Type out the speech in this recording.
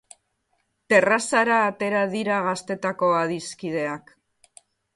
Terrazara atera dira gaztetako adiskideak.